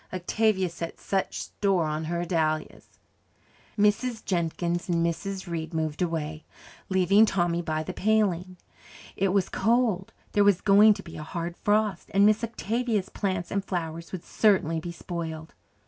Octavia sets such store by her dahlias." Mrs. Jenkins and Mrs. Reid moved away, leaving Tommy by the paling. It was cold there was going to be a hard frost and Miss Octavia's plants and flowers would certainly be spoiled.